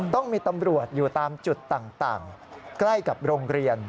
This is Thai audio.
ต้องมีตำรวจอยู่ตามจุดต่างใกล้กับโรงเรียน